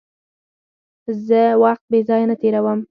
زه وخت بېځایه نه تېرووم.